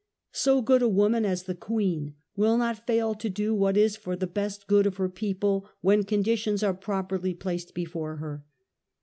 So good a woman as the Queen will not fail to do what is for the best good of her people when condi tions are properly placed before her.